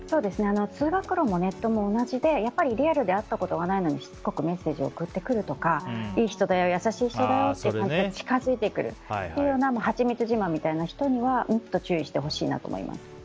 通学路もネットも同じでリアルで会ったことがないのにしつこくメッセージを送ってくるとかいい人だよ、優しい人だよと近づいてくるというような「はちみつじまん」みたいな人には注意してほしいなと思います。